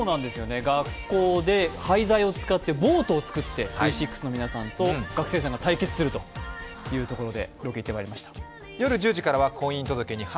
学校で廃材を使ってボートを作ってＶ６の皆さんと学生さんが対決するロケに行ってまいりました。